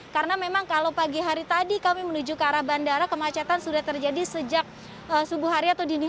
karena memang kalau pagi hari tadi kami menuju ke arah bandara kemacetan sudah terjadi sejak subuh hari atau dihujan